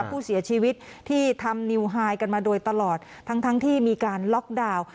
ผู้เสียชีวิตที่ทำนิวไฮกันมาโดยตลอดทั้งทั้งที่มีการล็อกดาวน์